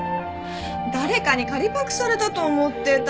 誰かに借りパクされたと思ってた。